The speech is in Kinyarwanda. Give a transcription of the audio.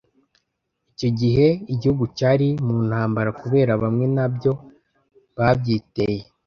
icyo gihe igihugu cyari mu ntambara kubera bamwe nabyo babyiteye